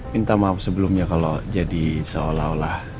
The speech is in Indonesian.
minta maaf sebelumnya kalau jadi seolah olah